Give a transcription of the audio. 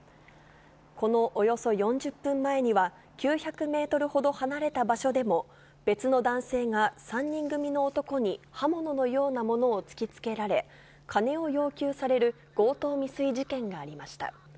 このおよそ４０分前には、９００メートルほど離れた場所でも、別の男性が３人組の男に刃物のようなものを突きつけられ、金を要求される強盗未遂事件がありました。